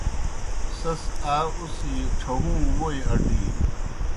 سیْس آ اُڅِھجیْ ڇھہُوں ووئی اٹِینوْ۔